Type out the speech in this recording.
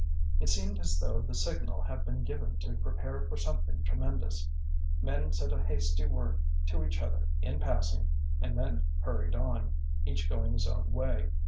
It seemed as though the signal had been given to prepare for something tremendous. Men said a hasty word to each other in passing and then hurried on, each going his own way.